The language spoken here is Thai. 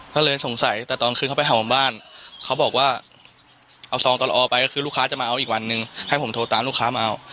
ก็เลยสงสัยแต่ตอนคืนเข้าไปแถวบ้านเขาบอกว่าเอาซองตอนออกไปก็คือลูกค้าจะมาเอาอีกวันนึงให้ผมโทรตามลูกค้ามาเอา